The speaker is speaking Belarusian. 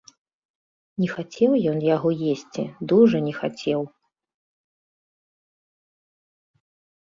Не хацеў ён яго есці, дужа не хацеў.